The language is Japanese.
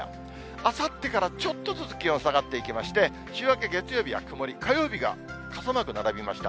あさってからちょっとずつ気温下がっていきまして、週明け月曜日は曇り、火曜日が傘マーク並びました。